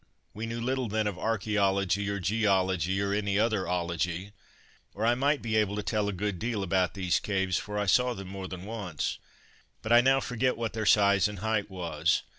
We knew little then of archaeology or geology, or any other "ology," or I might be able to tell a good deal about these caves, for I saw them more than once, but I now forget what their size and height was.